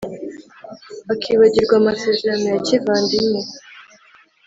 akibagirwa amasezerano ya kivandimwe